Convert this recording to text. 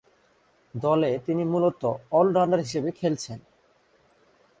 দলে তিনি মূলতঃ অল-রাউন্ডার হিসেবে খেলছেন।